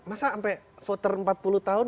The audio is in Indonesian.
masa sampai voter empat puluh tahun